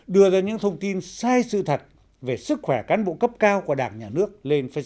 đưa ra những thông tin sai sự thật về sức khỏe cán bộ cấp cao của đảng nhà nước lên facebook